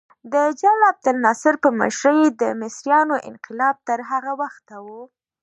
د جل عبدالناصر په مشرۍ د مصریانو انقلاب تر هغه وخته و.